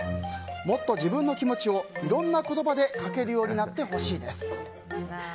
もっと自分の気持ちをいろんな言葉で書けるようになってほしいです。